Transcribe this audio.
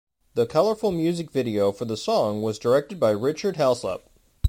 The colorful music video for the song was directed by Richard Heslop.